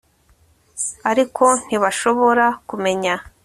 ariko ntibashobora kumenya